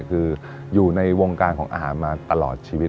คืออยู่ในวงการของอาหารมาตลอดชีวิต